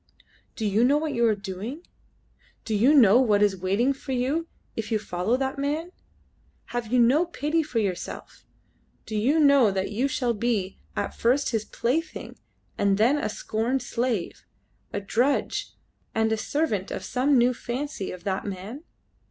"Do you know what you are doing? Do you know what is waiting for you if you follow that man? Have you no pity for yourself? Do you know that you shall be at first his plaything and then a scorned slave, a drudge, and a servant of some new fancy of that man?"